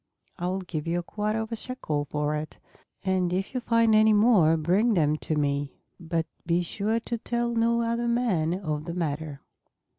I will give you a quarter of a shekel for it; and if you find any more bring them to me. But be sure to tell no other man of the matter."